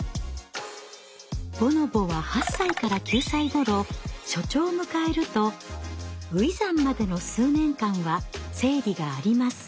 ボノボは８歳から９歳頃初潮を迎えると初産までの数年間は生理があります。